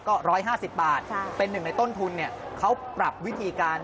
ก็๑๕๐บาทเป็นหนึ่งในต้นทุนเนี่ยเขาปรับวิธีการ